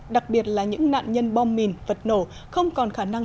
đặc biệt là những nạn nhân bom mìn vật nổ không còn khả năng